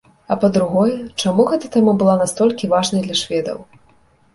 А па-другое, чаму гэтая тэма была настолькі важнай для шведаў?